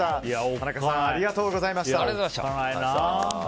田中さんありがとうございました。